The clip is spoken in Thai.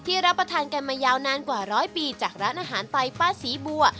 รับประทานกันมายาวนานกว่าร้อยปีจากร้านอาหารไตป้าศรีบัว